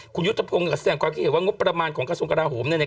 คุณยุทธพงศ์แสดงความเห็นว่างบประมาณของกระทรวงกระดาฮุมเนี่ย